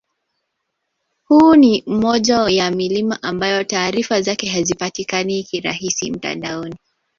Huu ni moja ya milima ambayo taarifa zake hazipatikani kirahisi mtandaoni